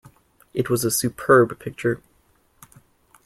It was a superb picture.